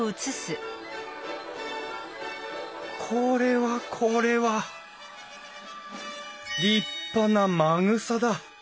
これはこれは立派なまぐさだ。